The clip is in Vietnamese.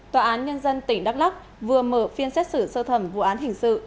tòa án nhân dân tỉnh đắk lắc vừa mở phiên xét xử sơ thẩm vụ án hình sự